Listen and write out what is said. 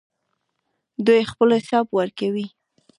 دوی خپل حساب ورکوي.